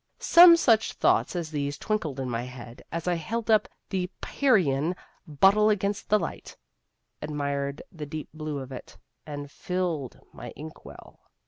Some such thoughts as these twinkled in my head as I held up the Pierian bottle against the light, admired the deep blue of it, and filled my ink well.